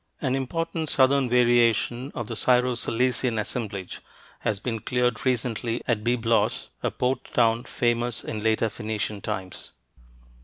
An important southern variation of the Syro Cilician assemblage has been cleared recently at Byblos, a port town famous in later Phoenician times.